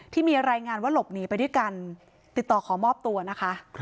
ที่มีรายงานว่าหลบหนีไปด้วยกันติดต่อขอมอบตัวนะคะ